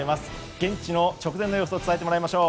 現地の直前の様子を伝えてもらいましょう。